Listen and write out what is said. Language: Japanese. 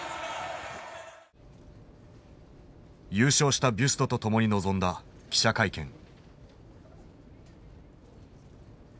優勝したビュストと共に臨んだ記者会見。